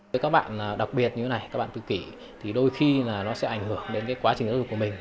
với các bạn đặc biệt như thế này các bạn tự kỷ thì đôi khi là nó sẽ ảnh hưởng đến quá trình giáo dục của mình